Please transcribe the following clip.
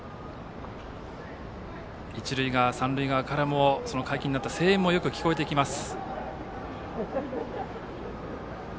一塁側、三塁側からも解禁になった声援もよく聞こえてきます。